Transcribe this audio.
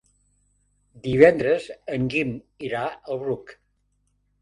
Divendres en Guim irà al Bruc.